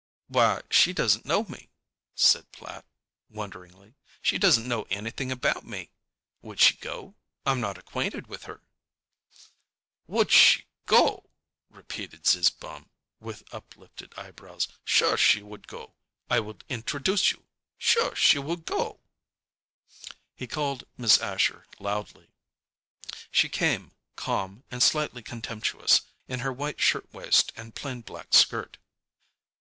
"Why, she doesn't know me," said Platt, wonderingly. "She doesn't know anything about me. Would she go? I'm not acquainted with her." "Would she go?" repeated Zizzbaum, with uplifted eyebrows. "Sure, she would go. I will introduce you. Sure, she would go." He called Miss Asher loudly. She came, calm and slightly contemptuous, in her white shirt waist and plain black skirt.